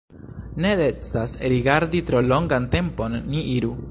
Ne decas rigardi tro longan tempon, ni iru!